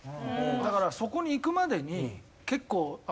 だからそこにいくまでに結構。